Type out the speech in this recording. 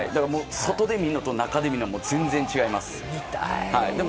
外で見るのと、中で見るのは全然違います。